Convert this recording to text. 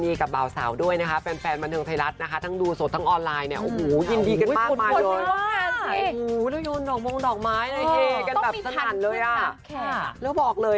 นี่เพื่อนเจ้าสาวเจ้าบาปมาเลย